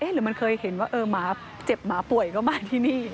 หรือมันเคยเห็นว่าหมาเจ็บหมาป่วยก็มาที่นี่